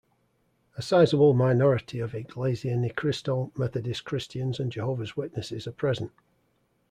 A sizeable minority of Iglesia ni Cristo, Methodist Christians, and Jehovah's Witnesses are present.